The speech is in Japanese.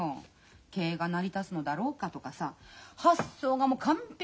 経営が成り立つのだろうかとかさ発想がもう完璧に奥さんなわけ。